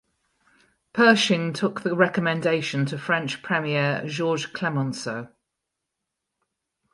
Pershing took the recommendation to French Premier Georges Clemenceau.